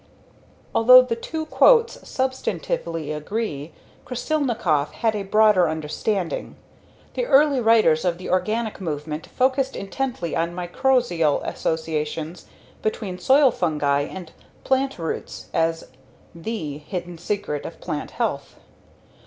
Although the two quotes substantively agree, Krasilnikov had a broader understanding. The early writers of the organic movement focused intently on mycorrhizal associations between soil fungi and plant roots as the hidden secret of plant health.